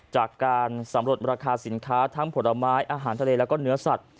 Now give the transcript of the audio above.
จากการสำรวจราคาสินค้าทั้งผลไม้อาหารทะเลแล้วก็เนื้อสัตว